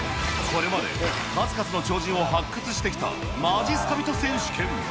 これまで、数々の超人を発掘してきた、まじっすか人選手権。